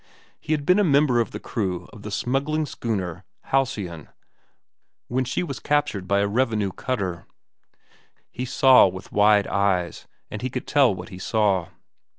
He had been a member of the crew of the smuggling schooner Halcyon when she was captured by a revenue cutter. He saw with wide eyes, and he could tell what he saw.